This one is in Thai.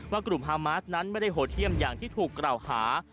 กลุ่มฮามาสนั้นไม่ได้โหดเยี่ยมอย่างที่ถูกกล่าวหา